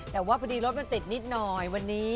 แต่ว่าพอดีรถมันติดนิดหน่อยวันนี้